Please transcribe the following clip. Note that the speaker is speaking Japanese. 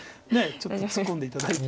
ちょっとツッコんで頂いて。